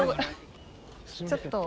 ちょっと。